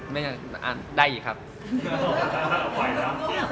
ในเรื่องงานหลากมาแล้ว